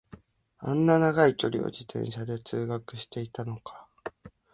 あんな長い距離を自転車で通学してたのか